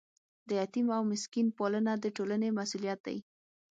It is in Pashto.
د یتیم او مسکین پالنه د ټولنې مسؤلیت دی.